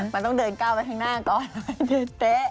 มันต้องเดินเก้าไปข้างหน้าก่อนเดินเตะ